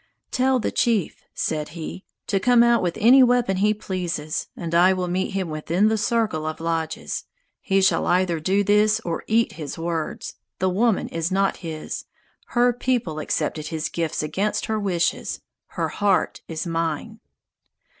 "Tell the chief," said he, "to come out with any weapon he pleases, and I will meet him within the circle of lodges. He shall either do this or eat his words. The woman is not his. Her people accepted his gifts against her wishes. Her heart is mine."